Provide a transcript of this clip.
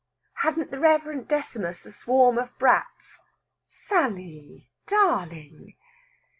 "Hadn't the Reverend Decimus a swarm of brats?" "Sal ly _dar_ling!...